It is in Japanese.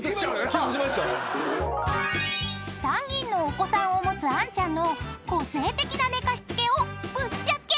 ［３人のお子さんを持つ杏ちゃんの個性的な寝かしつけをぶっちゃけ］